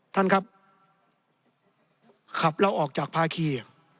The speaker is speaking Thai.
ท่านครับขับเราออกจากภาคี